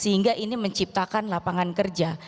sehingga ini menciptakan lapangan kerja